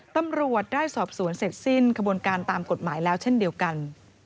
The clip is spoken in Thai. ตำรวจได้สอบสวนเสร็จสิ้นขบวนการตามกฎหมายแล้วเช่นเดียวกัน